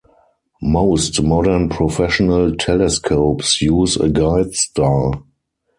Most modern professional telescopes use a guide star.